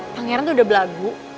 pangeran tuh udah belagu